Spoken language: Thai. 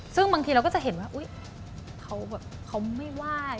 ซึ่งบางทีเราก็จะเห็นว่าเขาไม่ว่าย